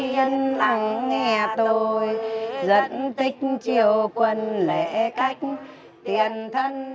nhân lặng nghe tôi dẫn tích chiều quần lễ cách